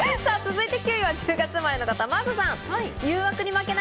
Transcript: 続いて、９位は１０月生まれの方、真麻さん。